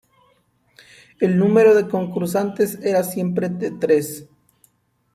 El número de concursantes era siempre de tres.